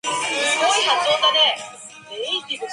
大家加油